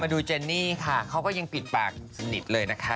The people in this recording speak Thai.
ดูเจนนี่ค่ะเขาก็ยังปิดปากสนิทเลยนะคะ